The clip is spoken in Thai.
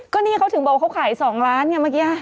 ก็นี่เขาถึงบอกว่าเขาขาย๒ล้านไงเมื่อกี้